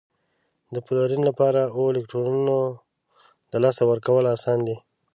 د فلورین لپاره اوو الکترونو د لاسه ورکول اسان دي؟